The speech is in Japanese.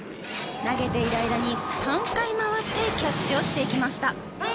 投げている間に３回回ってキャッチをしていきました。